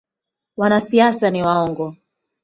Wanasiasa ni waongo